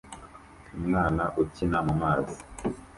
Umwana ukina mumazi